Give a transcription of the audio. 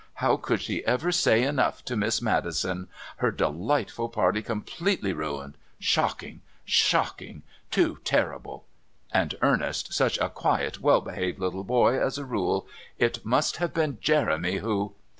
How could she ever say enough to Miss Maddison? Her delightful party completely ruined!... Shocking!... Shocking!... Too terrible!. .. And Ernest, such a quiet, well behaved little boy as a rule. It must have been Jeremy who...